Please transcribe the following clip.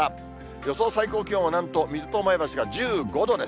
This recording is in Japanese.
予想最高気温はなんと、水戸と前橋が１５度です。